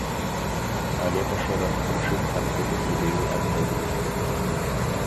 Але па шэрагу прычын ад гэтай ідэі адмовіліся.